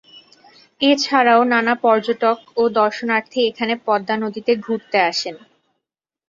এছাড়াও নানা পর্যটক ও দর্শনার্থী এখানে পদ্মা নদীতে ঘুরতে আসেন।